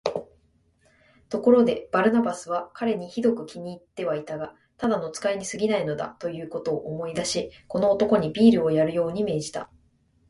ところで、バルナバスは彼にひどく気に入ってはいたが、ただの使いにすぎないのだ、ということを思い出し、この男にビールをやるように命じた。